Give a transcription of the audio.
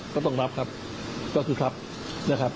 ก็ต้องรับครับก็คือครับนะครับ